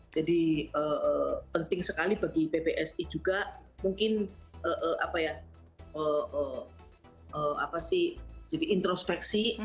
jadi penting sekali bagi bpsi juga mungkin apa ya apa sih jadi introspeksi